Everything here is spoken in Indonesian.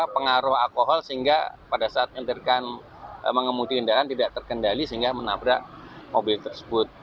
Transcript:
pengemudi tidak terkendali sehingga menabrak mobil tersebut